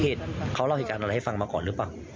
เหตุของเขาเล่าอิการอะไรให้ฟังมาก่อนหรือเปล่า